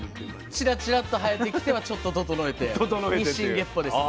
ちらちらっと生えてきてはちょっと整えて日進月歩です。